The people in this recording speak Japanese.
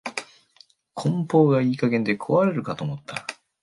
梱包がいい加減で壊れるかと思った